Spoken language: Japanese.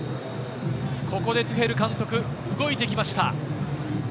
ここでトゥヘル監督、動いてきました。